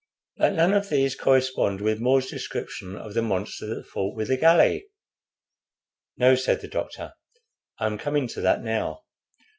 "But none of these correspond with More's description of the monster that fought with the galley." "No," said the doctor, "I am coming to that now.